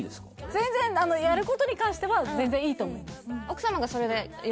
全然やることに関しては全然いいと思います